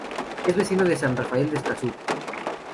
Es vecino de San Rafael de Escazú.